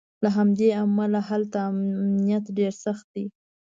له همدې امله هلته امنیت ډېر سخت دی.